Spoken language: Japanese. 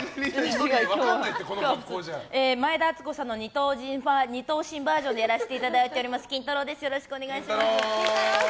前田敦子さんの二頭身バージョンでやらせていただいておりますキンタロー。です。